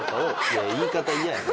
いや言い方嫌やな。